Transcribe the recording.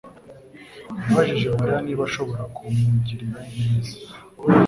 yabajije Mariya niba ashobora kumugirira neza.